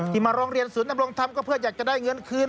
มาร้องเรียนศูนย์นำรงธรรมก็เพื่ออยากจะได้เงินคืน